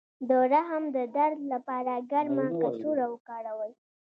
د رحم د درد لپاره ګرمه کڅوړه وکاروئ